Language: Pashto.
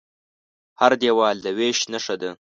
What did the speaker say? هر دیوال د وېش نښه ده.